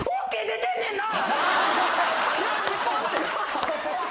ＯＫ出てんねんな？